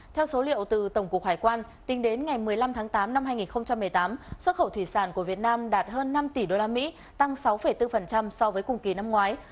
theo số liệu từ tổng cục hải quan tính đến ngày một mươi năm tháng tám năm hai nghìn một mươi tám xuất khẩu thủy sản của việt nam đạt hơn năm tỷ usd tăng sáu bốn so với cùng kỳ năm ngoái